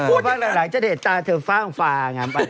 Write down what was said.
อื้อหลายทางเหตุเองตาเธอฟ่างฟ่าง